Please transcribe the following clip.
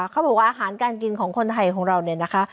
เขาบอกว่าอาหารการกินของคนไทยของเราเนี่ยนะคะ